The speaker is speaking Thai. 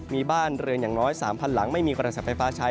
มีบ้านเรือนอย่างน้อย๓๐๐หลังไม่มีกระแสไฟฟ้าใช้